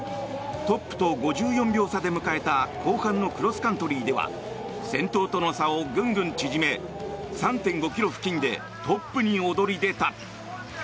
トップと５４秒差で迎えた後半のクロスカントリーでは先頭との差をぐんぐん縮め３．５ｋｍ付近でトップに躍り出た。